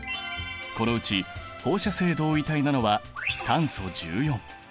このうち放射性同位体なのは炭素１４。